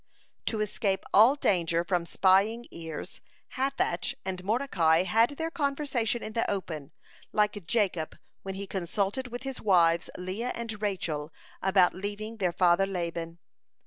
(129) To escape all danger from spying ears, Hathach and Mordecai had their conversation in the open, like Jacob when he consulted with his wives Leah and Rachel about leaving their father Laban.